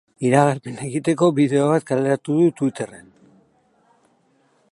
Iragarpena egiteko bideo bat kaleratu du twitterren.